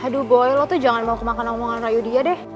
aduh boy lo tuh jangan mau kemakan omongan rayu dia deh